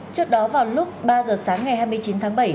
trước đó vào lúc ba giờ sáng ngày hai mươi chín tháng bảy